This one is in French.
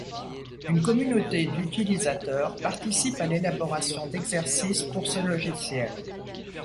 Une communauté d'utilisateurs participe à l'élaboration d'exercices pour ce logiciel.